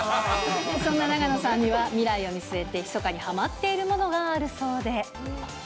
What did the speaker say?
そんな永野さんには、未来を見据えて、ひそかにはまっているものがあるそうで。